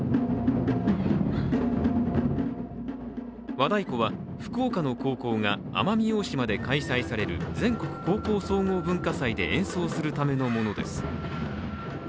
和太鼓は福岡の高校が奄美大島で開催される全国高校総合文化祭で演奏するためのものです。